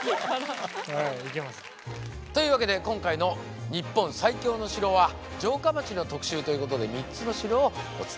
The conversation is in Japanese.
いけますね。というわけで今回の「日本最強の城」は城下町の特集ということで３つの城をお伝えしました。